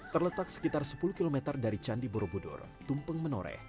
terletak sekitar sepuluh km dari candi borobudur tumpeng menoreh